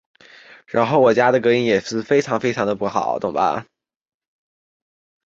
更多的形式和等价公式请参见单独条目乘积拓扑。